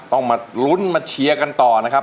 ต้องมาลุ้นมาเชียร์กันต่อนะครับ